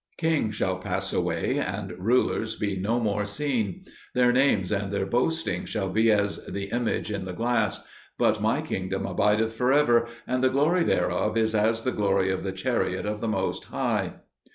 "Kings shall pass away, and rulers be no more seen: their names and their boasting shall be as the image in the glass; but my kingdom abideth for ever, and the glory thereof is as the glory of the chariot of the Most High."